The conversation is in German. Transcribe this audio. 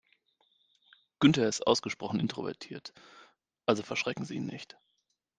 Günther ist ausgesprochen introvertiert, also verschrecken Sie ihn nicht.